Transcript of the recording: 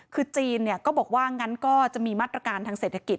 คือจีนก็บอกว่างั้นก็จะมีมาตรการทางเศรษฐกิจ